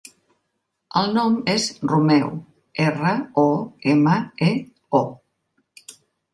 El nom és Romeo: erra, o, ema, e, o.